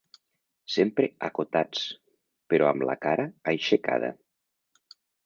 Sempre acotats, però amb la cara aixecada